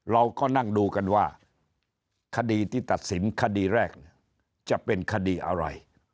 เราก็นั่งดูกันว่าคดีที่ตัดสินคดีแรกจะเป็นคดีอะไร